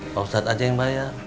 pak ustadz aja yang bayar